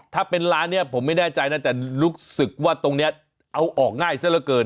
ถ้าเป็นร้านนี้ผมไม่แน่ใจนะแต่รู้สึกว่าตรงนี้เอาออกง่ายซะละเกิน